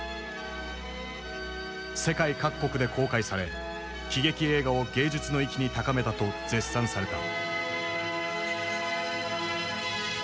世界各国で公開され喜劇映画を芸術の域に高めたと絶賛された。